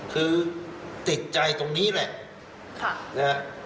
คือติดใจตรงนี้แหละ